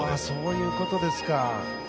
そういうことですか。